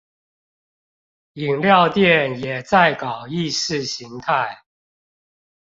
飲料店也在搞意識形態